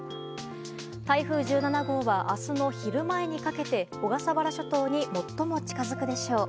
台風１７号は明日の昼前にかけて小笠原諸島に最も近づくでしょう。